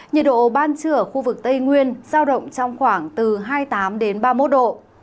nhiệt độ ban trưa ở khu vực tây nguyên giao động trong khoảng từ hai mươi tám ba mươi một độ